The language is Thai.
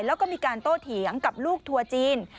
แล้วก็มีการโต้เถียงกับลูกทัวร์จีน